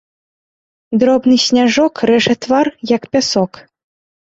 Дробны сняжок рэжа твар як пясок.